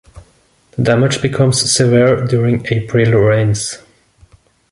The damage becomes severe during April rains.